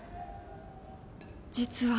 実は。